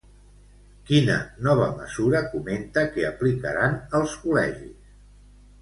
Quina nova mesura comenta que aplicaran els col·legis?